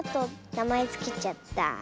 なまえつけちゃった。